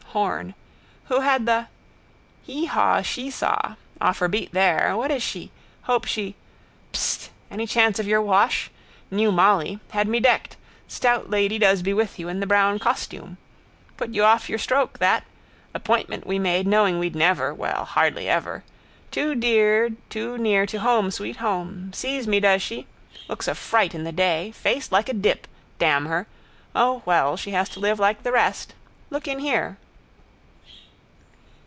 Horn. Who had the? Heehaw shesaw. Off her beat here. What is she? Hope she. Psst! Any chance of your wash. Knew Molly. Had me decked. Stout lady does be with you in the brown costume. Put you off your stroke, that. Appointment we made knowing we'd never, well hardly ever. Too dear too near to home sweet home. Sees me, does she? Looks a fright in the day. Face like dip. Damn her. O, well, she has to live like the rest. Look in here.